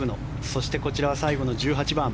そして、こちらは最後の１８番。